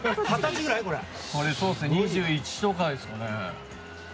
２１とかですかね。